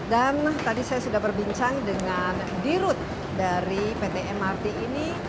dan tadi saya sudah berbincang dengan dirut dari pt mrt ini